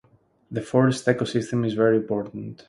The forest ecosystem is very important.